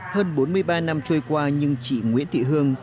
hơn bốn mươi ba năm trôi qua nhưng chị nguyễn thị hương